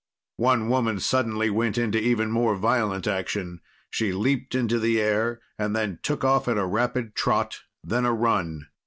One woman suddenly went into even more violent action. She leaped into the air and then took off at a rapid trot, then a run.